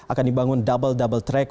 akan dibangun double double track